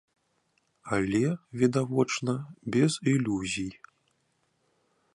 Але, відавочна, без ілюзій.